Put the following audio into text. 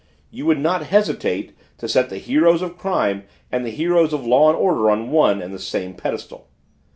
You would not hesitate to set the heroes of crime and the heroes of law and order on one and the same pedestal!"